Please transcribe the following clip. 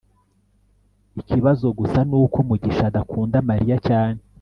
ikibazo gusa nuko mugisha adakunda mariya cyane